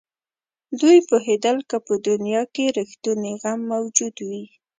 دوی پوهېدل که په دنیا کې رښتونی غم موجود وي.